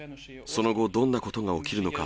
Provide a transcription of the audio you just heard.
その後、どんなことが起きるのか、